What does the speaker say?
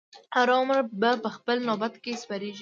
هرو مرو به په خپل نوبت کې سپریږي.